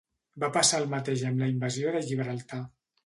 Va passar el mateix amb la invasió de Gibraltar.